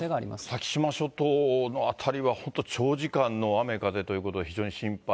先島諸島の辺りは本当、長時間の雨風ということで、非常に心配。